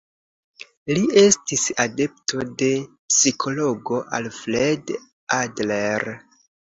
Li estis adepto de psikologo Alfred Adler.